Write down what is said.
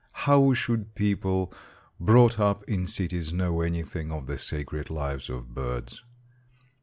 How should people brought up in cities know anything of the sacred lives of birds?